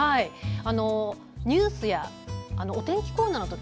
ニュースやお天気コーナーの時